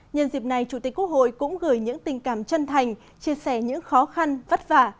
nhân dịp này chủ tịch quốc hội cũng gửi những tình cảm chân thành chia sẻ những khó khăn vất vả